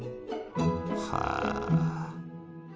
はあ。